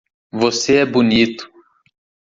Você é bonito